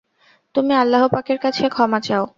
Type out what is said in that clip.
তুমি আল্লাহপাকের কাছে ক্ষমা চাও।